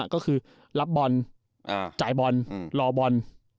ก็คือรับบอลจ่ายบอลรอบอล